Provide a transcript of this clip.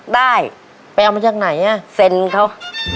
ได้ไปเอามาจากไหนอ่ะเซ็นเขา